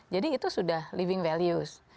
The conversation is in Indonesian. jadi itu sudah living values